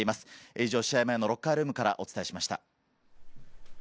以上、試合前のロッカールームからお伝えしました。